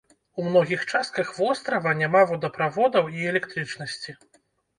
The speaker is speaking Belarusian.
У многіх частках вострава няма водаправодаў і электрычнасці.